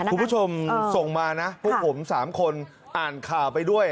คุณผู้ชมส่งมานะพวกผม๓คนอ่านข่าวไปด้วย